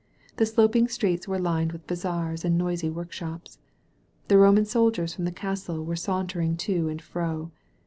The sloping streets were lined with bazaars and noisy workshops. The Roman soldiers from the castle were sauntering to and fro.